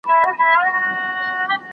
ماتول هیڅ نه دي مشکل، د نفرتونو پولې